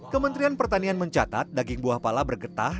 kementerian pertanian mencatat daging buah pala bergetah